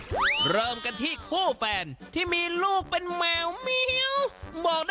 แม่แม่จปิ้นกับผู้หญิงคิดแม่และนักเก็บ